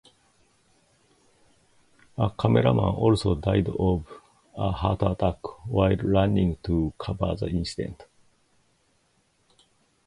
A cameraman also died of a heart attack while running to cover the incident.